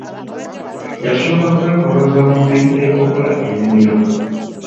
Yasooka kwekoloza mu ngeri egogola emimiro.